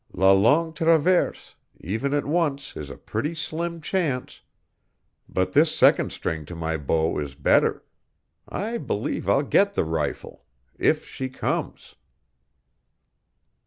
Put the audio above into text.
"La Longue Traverse, even at once, is a pretty slim chance. But this second string to my bow is better. I believe I'll get the rifle if she comes!"